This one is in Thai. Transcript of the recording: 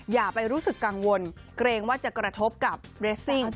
อย่าไปรู้สึกกังวลเกรงว่าจะกระทบกับเรสซิ่ง